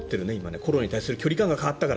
コロナに対する距離感が変わったから。